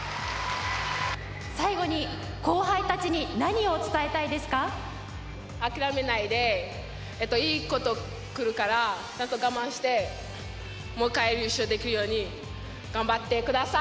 最後に後輩たちに何を伝えた諦めないで、いいことくるから、ちゃんと我慢して、もう一回優勝できるように、頑張ってください。